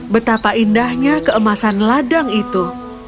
betapa indahnya keemasan ladang itu